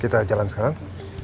kita jalan sekarang